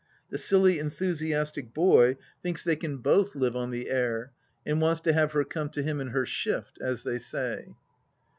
The silly enthusiastic boy thinks they can both THE LAST DITCH 181 live on the air, and wants to have her come to him in her shift, as they say.